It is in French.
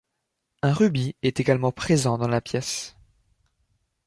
Un rubis est également présent dans la pièce.